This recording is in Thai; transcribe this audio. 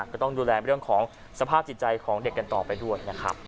ก็ต้องดูแลเรื่องของสภาพจิตใจของเด็กกันต่อไปด้วยนะครับ